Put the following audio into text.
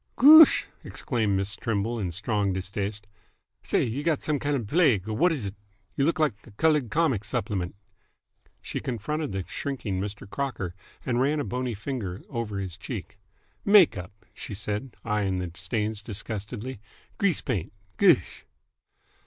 "Goosh!" exclaimed Miss Trimble in strong distaste. "Say, 've you got some kind of a plague, or wh't is it? Y'look like a coloured comic supplement!" She confronted the shrinking Mr. Crocker and ran a bony finger over his cheek. "Make up!" she said, eyeing the stains disgustedly. "Grease paint! Goosh!"